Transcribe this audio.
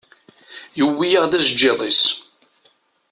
Yewwi-yaɣ-d ajeǧǧiḍ-is.